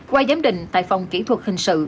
qua giám định tại phòng kỹ thuật hình sự